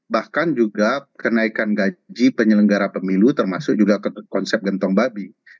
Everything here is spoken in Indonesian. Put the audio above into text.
bahkan juga kenaikan gaji penyelenggara pemilu termasuk juga konsep gentong babi